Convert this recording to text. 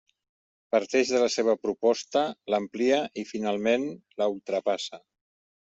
Parteix de la seva proposta, l'amplia i finalment la ultrapassa.